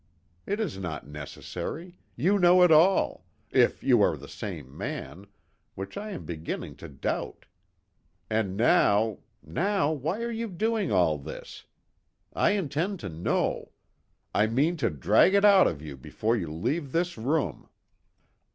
It is not necessary. You know it all if you are a sane man, which I am beginning to doubt. And now now why are you doing all this? I intend to know. I mean to drag it out of you before you leave this room!"